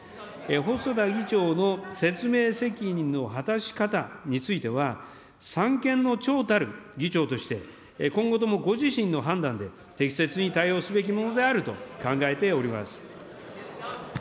細田議長の説明責任の果たし方については、三権の長たる議長として、今後ともご自身の判断で適切に対応すべきものであると考えております。